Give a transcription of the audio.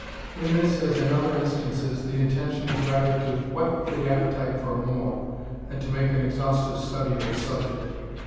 In this as in other instances, the intention is rather to whet the appetite for more, than to make an exhaustive study of the subject.